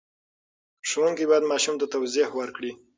ښوونکی باید ماشوم ته توضیح ورکړي.